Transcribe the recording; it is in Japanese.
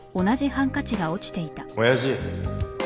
親父。